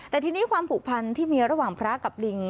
แต่ทีนี้ความผูกพันที่มีระหว่างพระกับลิง